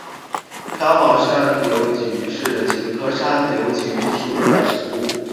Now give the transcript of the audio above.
刚毛山柳菊是菊科山柳菊属的植物。